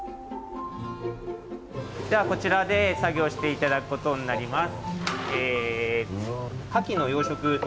ではこちらで作業していただくことになります。